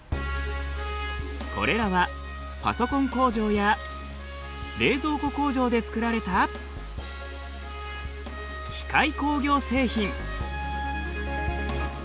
これらはパソコン工場や冷蔵庫工場で作られた機械工業製品。